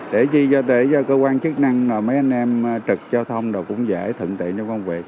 để cho cơ quan chức năng mấy anh em trực giao thông cũng dễ thận tiện cho công việc